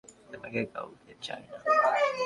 আমার কাউকে চাই না।